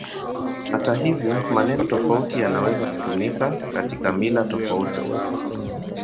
Hata hivyo, maneno tofauti yanaweza kutumika katika mila tofauti.